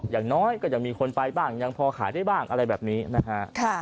อย่างน้อยก็ยังมีคนไปบ้างยังพอขายได้บ้างอะไรแบบนี้นะฮะ